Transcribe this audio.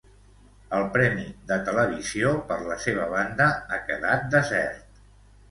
El premi de Televisió, per la seva banda, ha quedat desert.